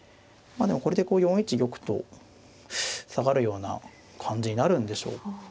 まあでもこれでこう４一玉と下がるような感じになるんでしょうか。